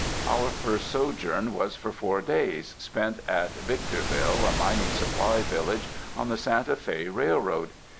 Our first sojourn was for four days, spent at Victor ville, a mining supply village on the Santa Fe Rail road.